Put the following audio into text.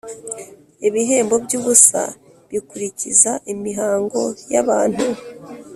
ibihendo by’ubusa bikurikiza imihango y’abantu